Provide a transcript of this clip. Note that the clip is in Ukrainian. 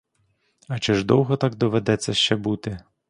А чи ж довго так доведеться ще бути?